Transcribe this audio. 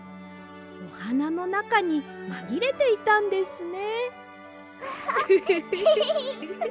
おはなのなかにまぎれていたんですね。